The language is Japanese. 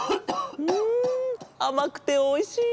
んあまくておいしい！